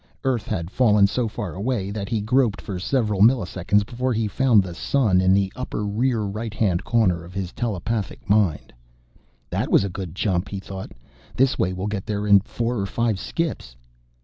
Earth had fallen so far away that he groped for several milliseconds before he found the Sun in the upper rear right hand corner of his telepathic mind. That was a good jump, he thought. This way we'll get there in four or five skips.